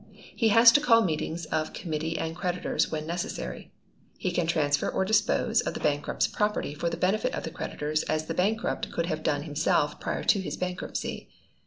He has to call meetings of committee and creditors when necessary. He can transfer or dispose of the bankrupt's property for the benefit of the creditors as the bankrupt could have done himself prior to his bankruptcy.